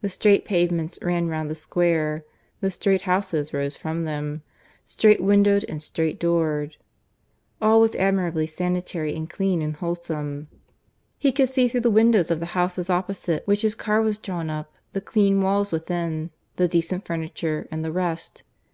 The straight pavements ran round the square; the straight houses rose from them, straight windowed and straight doored. All was admirably sanitary and clean and wholesome. He could see through the windows of the house opposite which his car was drawn up the clean walls within, the decent furniture, and the rest.